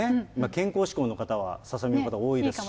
健康志向の方はササミの方多いですし。